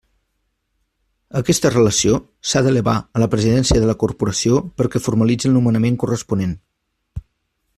Aquesta relació s'ha d'elevar a la Presidència de la Corporació perquè formalitzi el nomenament corresponent.